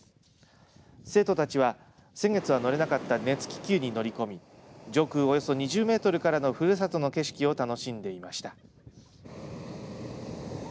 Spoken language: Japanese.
生徒たちは、先月は乗れなかった熱気球に乗り込み上空およそ２０メートルからのふるさとの景色を楽しんでいました。